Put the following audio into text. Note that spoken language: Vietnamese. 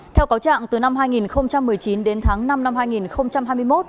theo cáo trạng từ năm hai nghìn một mươi chín đến tháng năm năm hai nghìn hai mươi một